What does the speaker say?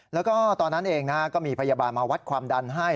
แล้วก็ตอนนั้นเองก็มีพยาบาลมาวัดความดันให้